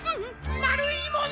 まるいもの！